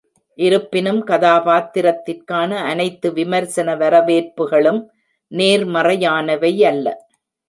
இருப்பினும், கதாபாத்திரத்திற்கான அனைத்து விமர்சன வரவேற்புகளும் நேர்மறையானவையல்ல.